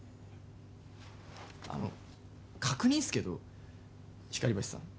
あの、確認っすけど光橋さん。